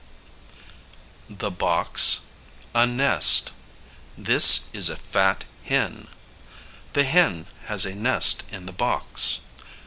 ] the box a nest This is a fat hen. The hen has a nest in the box.